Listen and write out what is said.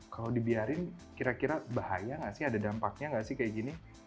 kalau dibiarin kira kira bahaya nggak sih ada dampaknya nggak sih kayak gini